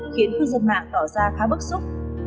khiến cư dân mạng tỏ ra khá bức xúc